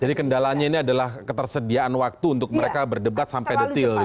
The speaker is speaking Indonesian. jadi kendalanya ini adalah ketersediaan waktu untuk mereka berdebat sampai detail gitu ya